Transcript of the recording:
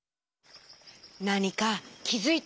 なにかきづいた？